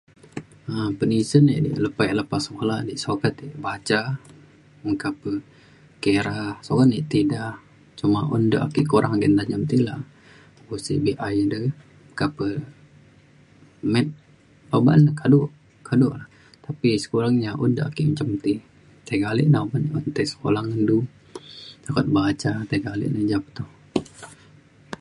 um penisen e' ilu lepa lepa sekula di sokat ek baca meka pe kira sokat e ti da cuma un du ake kurang de' ake nta menjam ti la. ko sik BI de ka pe math oban kado kado la tapi sekurangnya un du ake njam ti tiga alek na uban tei sekula ngan du sukat baca tiga alek na ja pe to.